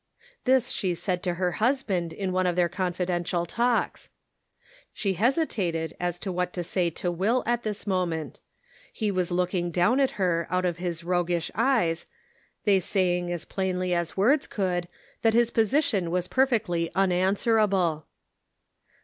This she said to her husband in one of their confidential talks. She hesitated as to what to say to Will at this moment. He was look ing down at her out of his roguish eyes, they saying as plainly as words could, that his position was perfectly unanswerable.